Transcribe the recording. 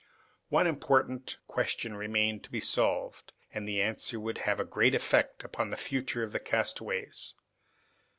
One important question remained to be solved, and the answer would have a great effect upon the future of the castaways.